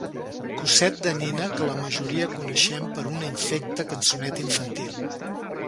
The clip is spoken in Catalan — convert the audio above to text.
Cosset de nina que la majoria coneixem per una infecta cançoneta infantil.